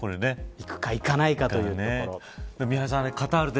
行くか、行かないかというところ。